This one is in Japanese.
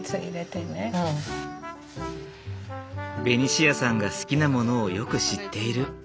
ベニシアさんが好きなものをよく知っている。